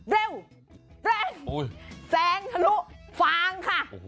เร็วแรงแซงทะลุฟางค่ะ